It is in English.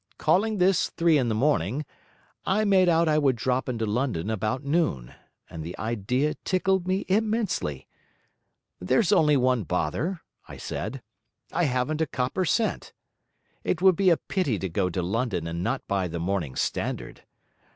Calling this three in the morning, I made out I would drop into London about noon; and the idea tickled me immensely. "There's only one bother," I said, "I haven't a copper cent. It would be a pity to go to London and not buy the morning Standard."